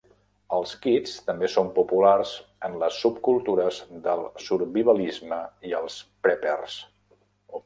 Els kits també són populars en les subcultures del survivalisme i els preppers.